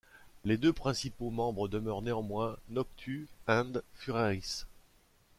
Les deux principaux membres demeurent néanmoins Noktu and Fureïss.